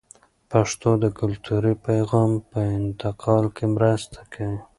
پښتو د کلتوري پیغام په انتقال کې مرسته کوي.